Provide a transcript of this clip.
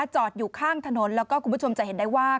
จอดอยู่ข้างถนนแล้วก็คุณผู้ชมจะเห็นได้ว่า